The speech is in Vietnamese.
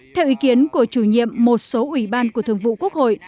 theo ý kiến của chủ nhiệm một số ủy ban của thường vụ quốc hội